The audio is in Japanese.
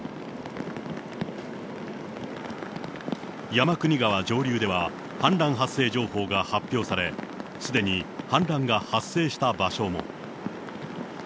山国川上流では氾濫発生情報が発表され、すでに氾濫が発生した場所も。